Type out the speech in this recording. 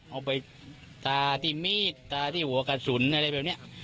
เอาไปตาที่มีดตาที่หัวกระสุนอะไรแบบนี้